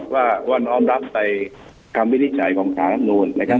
ว่านอมรับในคำวินิจฉัยของสารรับโน้นนะครับ